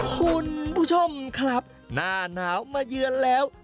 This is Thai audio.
คุณผู้ชมครับหน้าหนาวมาเยือนแล้ว